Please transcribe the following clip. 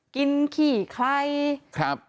กินขี่ไข่ครับ